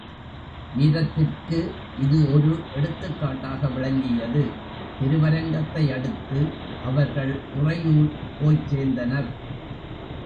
வீரத்திற்கு இது ஒரு எடுத்துக்காட்டாக விளங்கியது திருவரங்கத்தை அடுத்து அவர்கள் உறையூர் போய்ச் சேர்ந்தனர்.